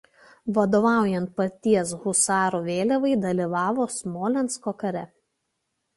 Vadovaujant paties husarų vėliavai dalyvavo Smolensko kare.